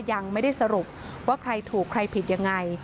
ยังไม่ได้สรุปว่าใครถูกใครผิดยังไง